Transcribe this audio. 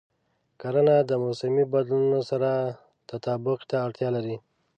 کرنه د موسمي بدلونونو سره تطابق ته اړتیا لري.